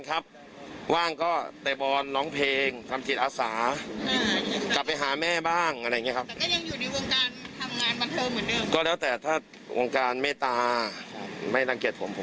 ความสมาชื่อแขกได้พวก